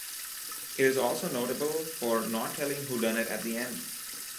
It is also notable for not telling whodunnit at the end.